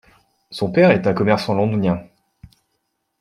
Son père est un commerçant londonien.